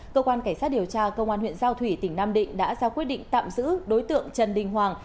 cơ quan cảnh sát điều tra công an huyện giao thủy tỉnh nam định đã ra quyết định tạm giữ đối tượng trần đình hoàng